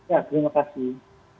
ya terima kasih